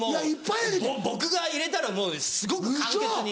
もう僕が入れたらすごく簡潔に！